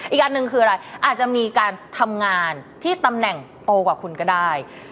อีกอันหนึ่งคืออะไรอาจจะมีการทำงานที่ตำแหน่งโตกว่าคุณก็ได้